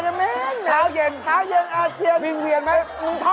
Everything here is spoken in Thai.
จำนี่หนังซ่ำมีแผลกินเทะ